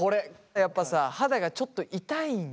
やっぱさ肌がちょっと痛いんだよね。